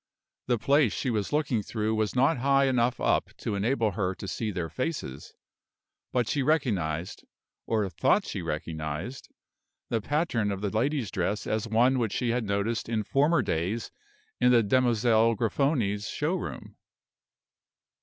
The place she was looking through was not high enough up to enable her to see their faces, but she recognized, or thought she recognized, the pattern of the lady's dress as one which she had noticed in former days in the Demoiselle Grifoni's show room.